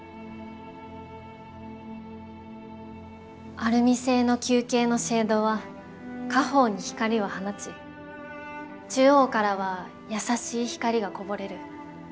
アルミ製の球形のシェードは下方に光を放ち中央からは優しい光がこぼれる。